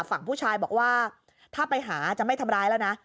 ฝั่งผู้ชายบอกว่าถ้าไปหาจะไม่ทำร้ายแล้วนะ